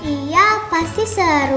iya pasti seru